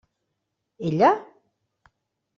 Ella?